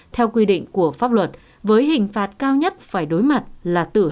theo quy định của pháp luật với hình phạt cao nhất phải đối mặt là tử hình